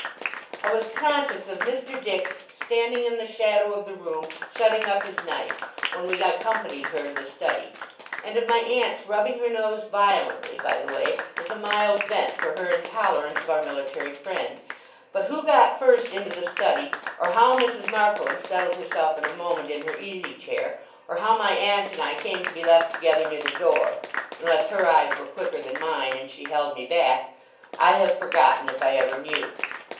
I was conscious of Mr. Dick's standing in the shadow of the room, shutting up his knife, when we accompanied her to the Study; and of my aunt's rubbing her nose violently, by the way, as a mild vent for her intolerance of our military friend; but who got first into the Study, or how Mrs. Markleham settled herself in a moment in her easy chair, or how my aunt and I came to be left together near the door (unless her eyes were quicker than mine, and she held me back), I have forgotten, if I ever knew.